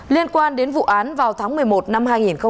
liên quan đến vụ án vào tháng một mươi một năm hai nghìn hai mươi một